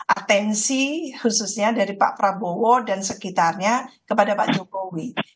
atensi khususnya dari pak prabowo dan sekitarnya kepada pak jokowi